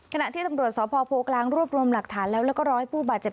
ขณะที่ตำรวจสพโพกลางรวบรวมหลักฐานแล้วแล้วก็รอให้ผู้บาดเจ็บ